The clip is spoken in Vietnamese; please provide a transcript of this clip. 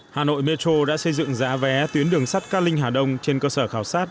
hà nội metro đã xây dựng giá vé tuyến đường sắt cát linh hà đông trên cơ sở khảo sát